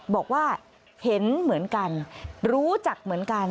บอกว่าเห็นเหมือนกันรู้จักเหมือนกัน